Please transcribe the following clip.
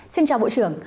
xin chào bộ trưởng